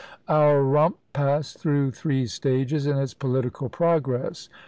Our Rump passed through three stages in its political progress.